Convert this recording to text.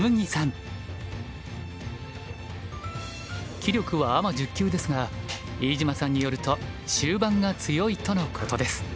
棋力はアマ１０級ですが飯島さんによると終盤が強いとのことです。